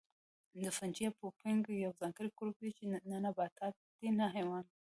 فنجي یا پوپنک یو ځانګړی ګروپ دی چې نه نبات دی نه حیوان